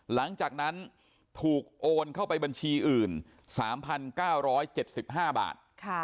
หลังจากนั้นถูกโอนเข้าไปบัญชีอื่น๓๙๗๕บาท